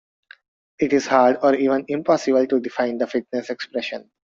It is hard or even impossible to define the fitness expression.